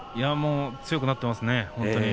強くなっていますね本当に。